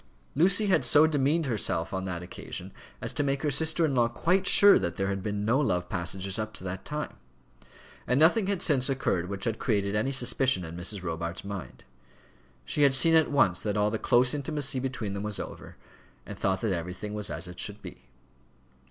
Lucy had so demeaned herself on that occasion as to make her sister in law quite sure that there had been no love passages up to that time; and nothing had since occurred which had created any suspicion in Mrs. Robarts' mind. She had seen at once that all the close intimacy between them was over, and thought that everything was as it should be.